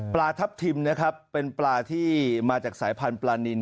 ปลาทับทิมนะครับเป็นปลาที่มาจากสายพันธุ์ปลานิน